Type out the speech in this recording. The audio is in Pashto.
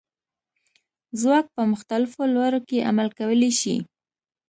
ځواک په مختلفو لورو کې عمل کولی شي.